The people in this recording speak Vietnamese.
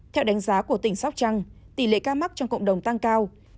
theo đánh giá của tỉnh sóc trăng tỷ lệ ca mắc trong cộng đồng tăng cao